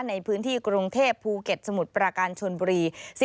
ในพื้นที่กรุงเทพภูเก็ตสมุทรประการชนบุรี